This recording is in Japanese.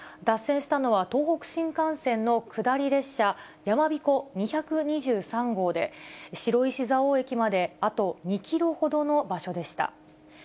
脱線したのは、東北新幹線の下り列車、やまびこ２２３号で、白石蔵王駅まであと２キロほどの場所でした。